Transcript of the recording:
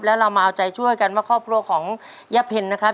แล้วเรามาเอาใจช่วยกันว่าครอบครัวของย่าเพ็ญนะครับ